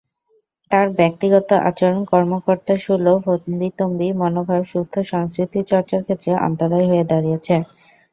তাঁর ব্যক্তিগত আচরণ, কর্মকর্তাসুলভ হম্বিতম্বি মনোভাব সুস্থ সংস্কৃতিচর্চার ক্ষেত্রে অন্তরায় হয়ে দাঁড়িয়েছে।